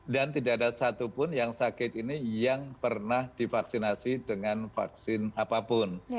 dan tidak ada satu pun yang sakit ini yang pernah divaksinasi dengan vaksin apapun